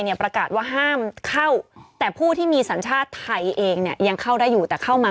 ประกาศว่าห้ามเข้าแต่ผู้ที่มีสัญชาติไทยเองเนี่ยยังเข้าได้อยู่แต่เข้ามา